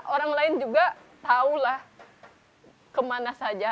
orang lain juga tahulah kemana saja